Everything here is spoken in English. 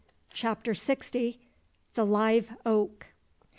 CHAPTER SIXTY. "THE LIVE OAK."